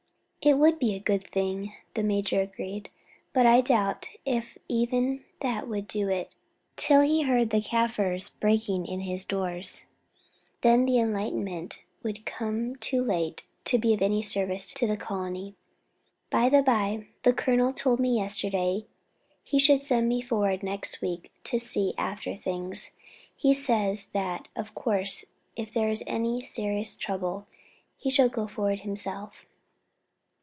"It would be a good thing," the major agreed, "but I doubt if even that would do it till he heard the Kaffirs breaking in his doors; then the enlightenment would come too late to be of any service to the colony. By the bye, the colonel told me yesterday he should send me forward next week to see after things. He says that of course if there is any serious trouble he shall go forward himself."